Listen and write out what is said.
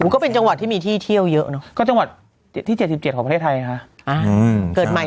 ก็เป็นจังหวัดที่มีที่เที่ยวเยอะเนาะ